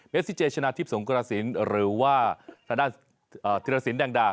เมซิเจช์ชนะทิพย์สงครสินหรือว่าธนทรีย์สินแดงดา